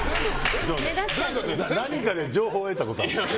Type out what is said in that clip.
何かで情報を得たことなの？